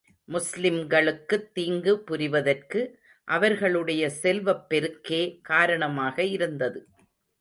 முஸ்லிம்களுக்குத் தீங்கு புரிவதற்கு, அவர்களுடைய செல்வப் பெருக்கே காரணமாக இருந்தது.